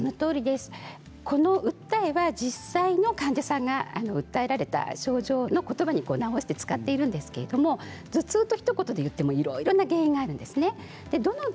この訴えは実際の患者さんが訴えられた症状の言葉に直して使っているんですけれど頭痛とひと言で言ってもいろいろな原因があります。